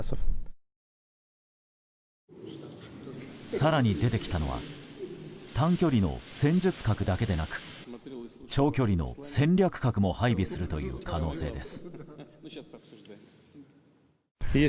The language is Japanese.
更に出てきたのは短距離の戦術核だけでなく長距離の戦略核も配備するという可能性です。